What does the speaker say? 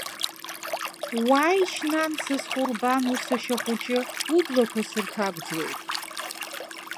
Уааишь, нан, сызкәырбану сашьа хәыҷы, ублақәа сырҭагәӡуеит.